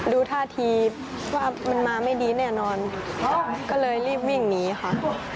ดูท่าทีว่ามันมาไม่ดีแน่นอนเพราะก็เลยรีบวิ่งหนีค่ะ